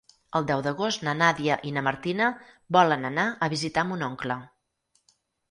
El deu d'agost na Nàdia i na Martina volen anar a visitar mon oncle.